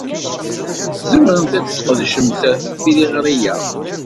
Tzemremt ad tesqedcemt tiliɣri-a.